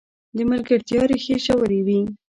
د ملګرتیا ریښې ژورې وي.